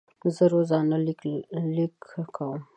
زه روزانه لیک کوم.